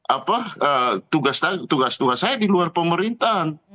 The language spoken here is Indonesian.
apa tugas tugas saya di luar pemerintahan